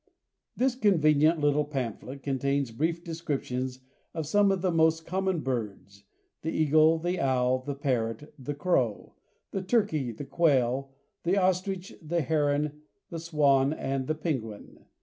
This convenient little pamphlet contains brief descriptions of some of the most common birds, the eagle, the owl, the parrot, the crow, the turkey, the quail, the ostrich, the heron, the swan, and the penguin.